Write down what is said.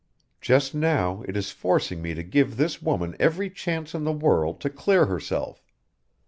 Just now it is forcing me to give this woman every chance in the world to clear herself.